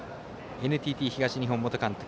ＮＴＴ東日本元監督